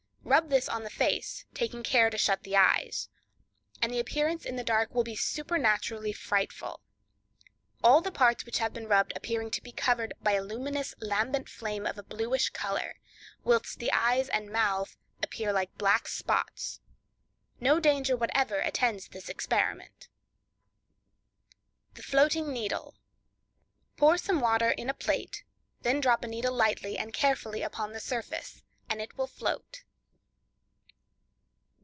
Rub this on the face (taking care to shut the eyes) and the appearance in the dark will be supernaturally frightful; all the parts which have been rubbed appearing to be covered by a luminous lambent flame of a bluish color, whilst the eyes and mouth appear like black spots. No danger whatever attends this experiment. The Floating Needle.—Pour some water in a plate; then drop a needle lightly and carefully upon the surface and it will float.